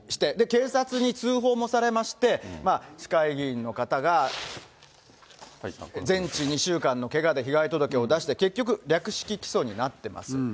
警察に通報もされまして、市会議員の方が、全治２週間のけがで被害届を出して、結局、略式起訴になってます。